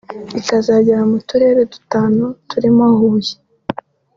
bikazagera mu turere dutanu turimo Huye